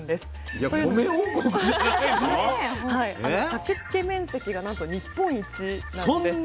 作付面積がなんと日本一なんです。